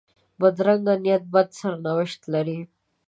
بدرنګه نیت بد سرنوشت لري